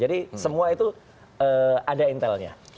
jadi semua itu ada intelnya